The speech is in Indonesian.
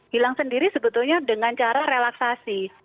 hilang sendiri sebetulnya dengan cara relaksasi